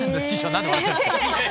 何で笑ってるんですか！